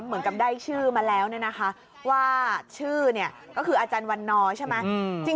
พอเหมือนกับได้ชื่อมาแล้วว่าชื่อก็คืออาจารย์วันน้อยใช่ไหม